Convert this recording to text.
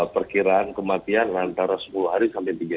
perkiraan kematian antara sepuluh hari sampai tiga hari